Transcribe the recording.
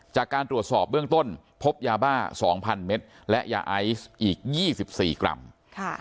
จากการตรวจสอบเบื้องต้นพบยาบ้า๒๐๐เมตรและยาไอซ์อีก๒๔กรัม